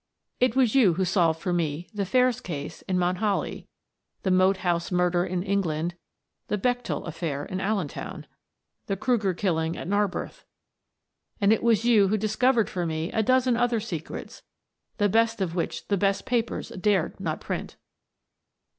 It was you who solved for me the Phares case in 1 Mt Holly, the Moat House murder in England, the Bechtel affair in Allentown, the Kreuger killing at Narbeth, and it was you who discovered for me a dozen other secrets, the best of which the best of papers dared not print.